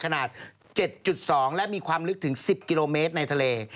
ขนาด๗๒และมีความลึกถึง๑๐กิโลเมตรในทะเล